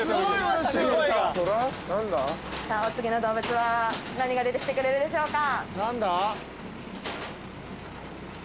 さあお次の動物は何が出てきてくれるでしょうか。